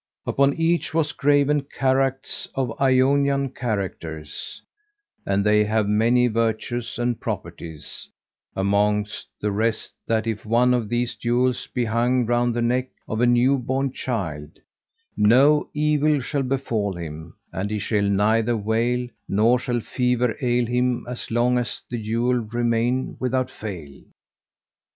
Upon each were graven characts in Ionian characters, and they have many virtues and properties, amongst the rest that if one of these jewels be hung round the neck of a new born child, no evil shall befal him and he shall neither wail, nor shall fever ail him as long as the jewel remain without fail.